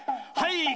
はい！